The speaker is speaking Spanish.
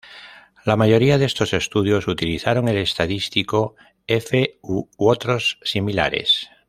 La mayoría de estos estudios utilizaron el estadístico F u otros similares.